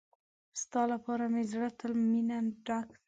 ستا لپاره مې زړه تل مينه ډک وي.